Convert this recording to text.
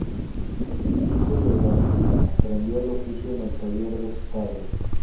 Hijo de ebanista aprendió el oficio en el taller de su padre.